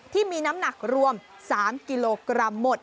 ที่มีน้ำหนักรวม๓กิโลกรัมหมด